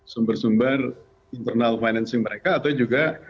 sumber sumber internal financing mereka atau juga